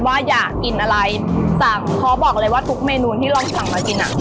ว่าอยากกินอะไรสั่งท้อบอกเลยว่าทุกเมนูที่เราสั่งแล้วกินน่ะ